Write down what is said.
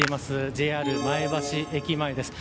ＪＲ前橋駅前です。